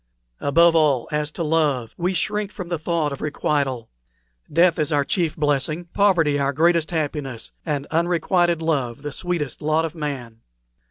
Above all, as to love, we shrink from the thought of requital. Death is our chief blessing, poverty our greatest happiness, and unrequited love the sweetest lot of man."